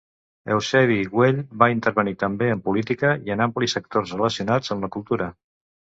Eusebi Güell va intervenir també en política i en amplis sectors relacionats amb la cultura.